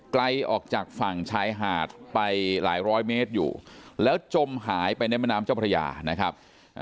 ไกลออกจากฝั่งชายหาดไปหลายร้อยเมตรอยู่แล้วจมหายไปในแม่น้ำเจ้าพระยานะครับ